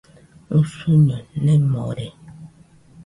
Usuño nemore.